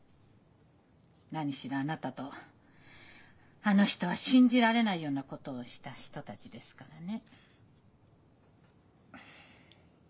何しろあなたとあの人は信じられないようなことをした人たちですからね。